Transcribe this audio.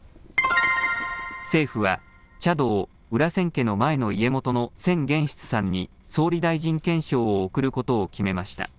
政府は茶道・裏千家の前の家元の千玄室さんに総理大臣顕彰を贈ることを決めました。